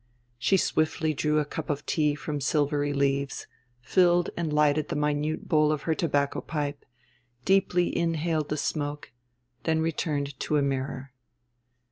She swiftly drew a cup of tea from silvery leaves, filled and lighted the minute bowl of her tobacco pipe, deeply inhaled the smoke; then returned to a mirror.